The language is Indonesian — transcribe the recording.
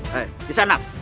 hei di sana